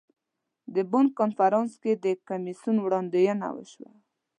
د بن کنفرانس کې د کمیسیون وړاندوینه وشوه.